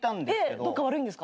どっか悪いんですか？